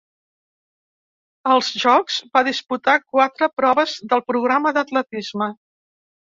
Als Jocs va disputar quatre proves del programa d'atletisme.